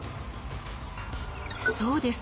そうです。